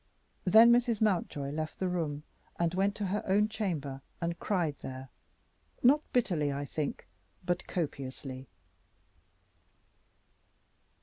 Then Mrs. Mountjoy left the room and went to her own chamber and cried there, not bitterly, I think, but copiously.